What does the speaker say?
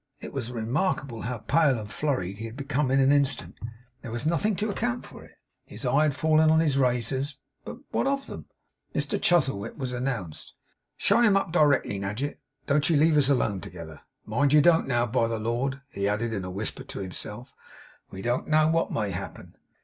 It was remarkable how pale and flurried he had become in an instant. There was nothing to account for it. His eye had fallen on his razors; but what of them! Mr Chuzzlewit was announced. 'Show him up directly. Nadgett! don't you leave us alone together. Mind you don't, now! By the Lord!' he added in a whisper to himself: 'We don't know what may happen.